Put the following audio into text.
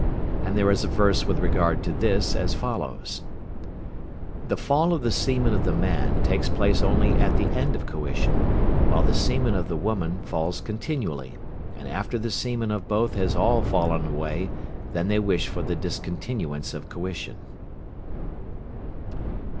And there is a verse with regard to this as follows: "The fall of the semen of the man takes place only at the end of coition, while the semen of the woman falls continually, and after the semen of both has all fallen away then they wish for the discontinuance of coition."